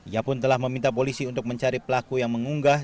ia pun telah meminta polisi untuk mencari pelaku yang mengunggah